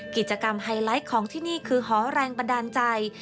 ไฮไลท์ของที่นี่คือหอแรงบันดาลใจ